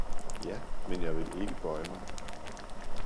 Ja men jeg vil ikke bøje mig!